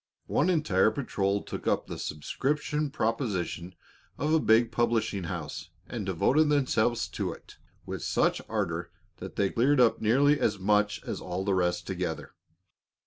One entire patrol took up the subscription proposition of a big publishing house and devoted themselves to it with such ardor that they cleared up nearly as much as all the rest together.